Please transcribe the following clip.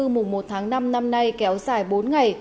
mùng một tháng năm năm nay kéo dài bốn ngày